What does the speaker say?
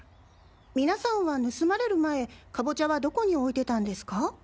みなさんは盗まれる前カボチャはどこに置いてたんですか？